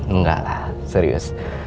enggak lah serius